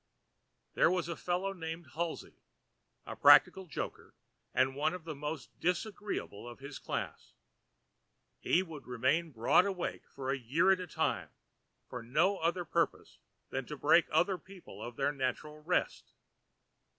There was a fellow named Halsey, a practical joker, and one of the most disagreeable of his class. He would remain broad awake for a year at a time, for no other purpose than to break other people of their natural rest.